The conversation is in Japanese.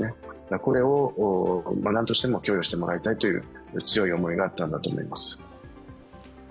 これをなんとしても供与してもらいたいという強い思いがあったんだと思います。